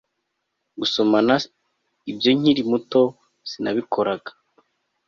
Gusomana ibyo nkiri muto sinabikoraga